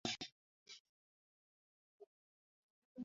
Kuna watu wengi walioathiriwa na madawa ya kulevya lakini yanazidi